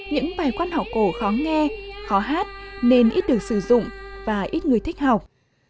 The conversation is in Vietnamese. những bài quan họ cổ khó nghe khó hát nên ít được sử dụng và ít người thích học